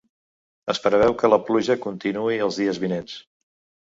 Es preveu que la pluja continuï els dies vinents.